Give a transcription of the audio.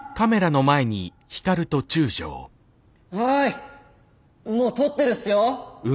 はいもう撮ってるっすよ。